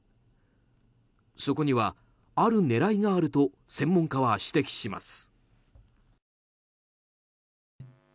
そこにはある狙いがあると専門家は指摘します。